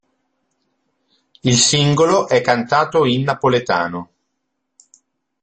Il singolo è cantato in napoletano.